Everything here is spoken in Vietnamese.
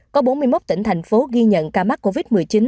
có bốn mươi một tỉnh thành phố ghi nhận ca mắc covid một mươi chín